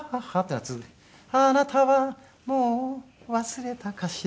「貴方はもう忘れたかしら」